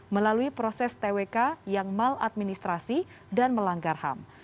melalui proses twk yang maladministrasi dan melanggar ham